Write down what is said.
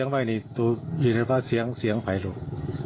หรือเสียงภายลูก